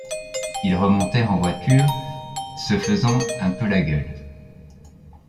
Ils remontèrent en voiture, se faisant un peu la gueule.